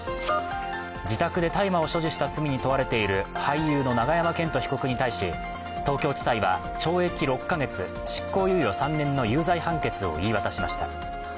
自宅で大麻を所持した罪に問われている俳優の永山絢斗被告に対し東京地裁は懲役６か月、執行猶予３年の有罪判決を言い渡しました。